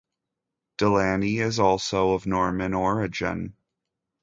DeLaney is also of Norman origin.